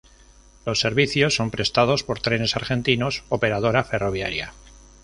Los servicios son prestados por Trenes Argentinos Operadora Ferroviaria.